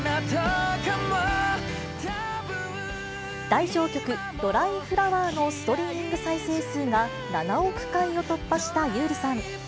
代表曲、ドライフラワーのストリーミング再生数が７億回を突破した優里さん。